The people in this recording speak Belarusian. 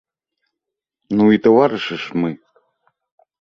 Ну і таварышы ж мы!